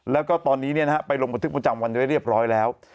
แล้วก็ตอนนี้ไปลงบันทึกประจำวันไว้เรียบร้อยแล้ว